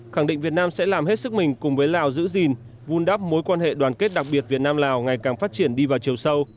khẳng định việt nam sẽ làm hết sức mình cùng với lào giữ gìn vun đắp mối quan hệ đoàn kết đặc biệt việt nam lào ngày càng phát triển đi vào chiều sâu